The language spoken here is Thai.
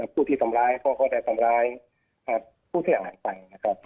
ผู้ที่ทำร้ายของของเขาจะทำร้าย